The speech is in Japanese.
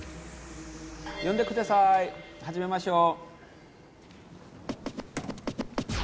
呼んでください、始めましょう。